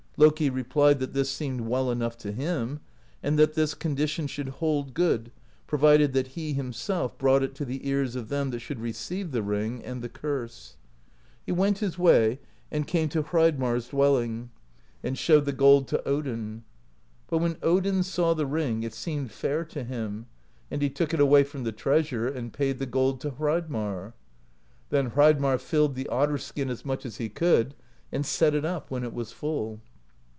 Loki replied that this seemed well enough to him, and that this condition should hold good provided that he himself brought it to the ears of them that should receive the ring and the curse. He went his way and came to Hreidmarr's dwelling, and showed the 152 PROSE EDDA gold to Odin; but when Odin saw the ring, it seemed fair to him, and he took it away from the treasure, and paid the gold to Hreidmarr. Then Hreidmarr filled the otter skin as much as he could, and set it up when it was full.